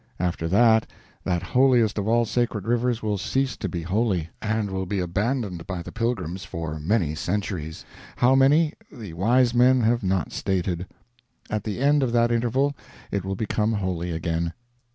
After that, that holiest of all sacred rivers will cease to be holy, and will be abandoned by the pilgrim for many centuries; how many, the wise men have not stated. At the end of that interval it will become holy again.